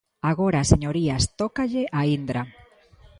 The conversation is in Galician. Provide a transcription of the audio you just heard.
Agora, señorías, tócalle a Indra.